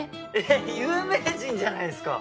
えっ有名人じゃないですか！